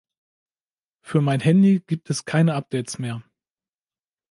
Für mein Handy gibt es keine Updates mehr.